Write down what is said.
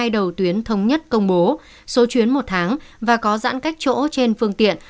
hai đầu tuyến thống nhất công bố số chuyến một tháng và có giãn cách chỗ trên phương tiện